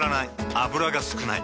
油が少ない。